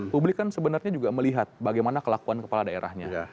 publik kan sebenarnya juga melihat bagaimana kelakuan kepala daerahnya